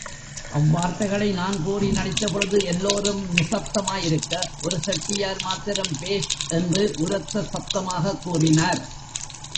அவ்வார்த்தைகளை நான் கூறி நடித்தபொழுது எல்லோரும் நிசப்பதமாயிருக்க, ஒரு செட்டியார் மாத்திரம் பேஷ் என்று உரத்த சப்தமாகக் கூறினார்.